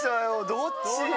どっち？